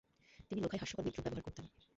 তিনি লোখায় হাস্যকর বিদ্রুপ ব্যবহার করতেন।